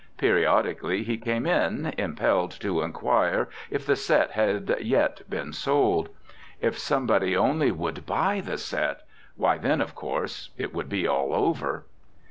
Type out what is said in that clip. Periodically he came in, impelled to inquire if the set had yet been sold. If somebody only would buy the set why, then, of course it would be all over.